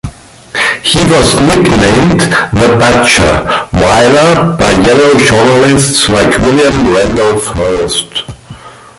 He was nicknamed "the Butcher" Weyler by yellow journalists like William Randolph Hearst.